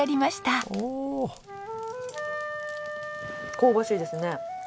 香ばしいですね。